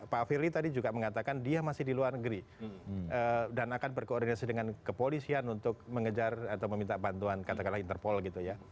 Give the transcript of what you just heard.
pak firly tadi juga mengatakan dia masih di luar negeri dan akan berkoordinasi dengan kepolisian untuk mengejar atau meminta bantuan katakanlah interpol gitu ya